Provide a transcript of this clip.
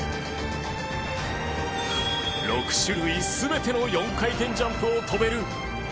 ６種類全ての４回転ジャンプを跳べる彼もまた。